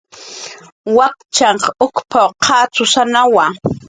"Wakchanh ukp"" qatzusanawa"